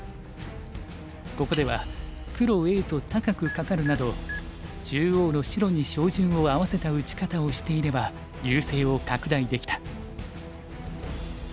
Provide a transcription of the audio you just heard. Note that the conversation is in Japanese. ここでは黒Ａと高くカカるなど中央の白に照準を合わせた打ち方をしていれば優勢を拡大できた。